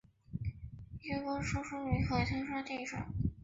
一般生于海滩沙地上。